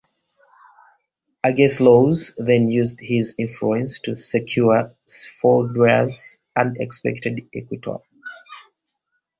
Agesilaus then used his influence to secure Sphodrias' unexpected acquittal.